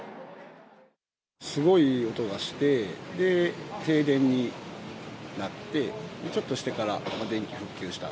すごい音がして、で、停電になって、ちょっとしてから電気復旧した。